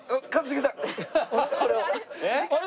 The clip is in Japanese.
あれ？